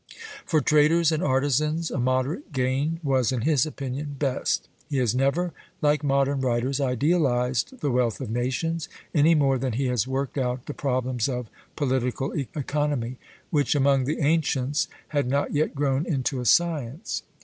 For traders and artisans a moderate gain was, in his opinion, best. He has never, like modern writers, idealized the wealth of nations, any more than he has worked out the problems of political economy, which among the ancients had not yet grown into a science.